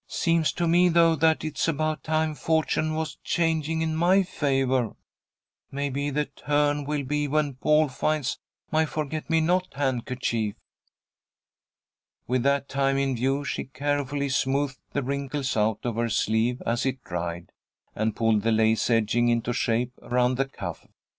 Seems to me, though, that it's about time fortune was changing in my favour. Maybe the turn will be when Paul finds my forget me not handkerchief." With that time in view, she carefully smoothed the wrinkles out of her sleeve as it dried, and pulled the lace edging into shape around the cuff.